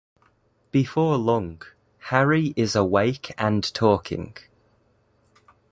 Before long, Harry is awake and talking.